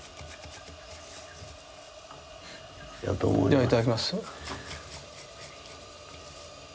ではいただきます。